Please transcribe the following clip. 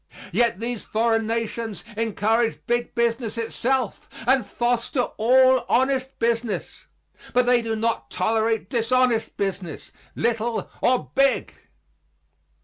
Yet these foreign nations encourage big business itself and foster all honest business. But they do not tolerate dishonest business, little or big.